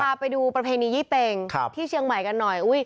พาไปดูประเพณียี่เป็งที่เชียงใหม่กันหน่อย